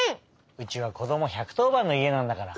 うちはこども１１０ばんのいえなんだから。